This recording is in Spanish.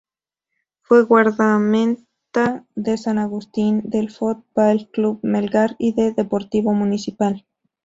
Fue guardameta de San Agustín, del Foot Ball Club Melgar y de Deportivo Municipal.